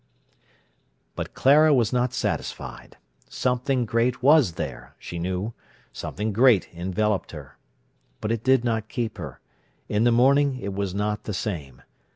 But Clara was not satisfied. Something great was there, she knew; something great enveloped her. But it did not keep her. In the morning it was not the same.